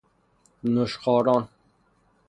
نوشخواران